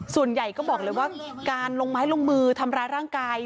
ส่วนใหญ่ก็บอกเลยว่าการลงไม้ลงมือทำร้ายร่างกาย